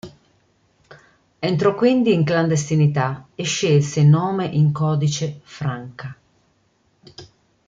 Entrò quindi in clandestinità e scelse il nome in codice Franca.